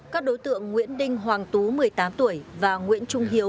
các đối tượng nguyễn đinh hoàng tú một mươi tám tuổi và nguyễn trung hiếu